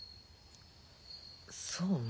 そうね